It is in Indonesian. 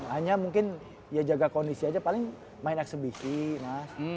hanya mungkin ya jaga kondisi aja paling main eksebisi mas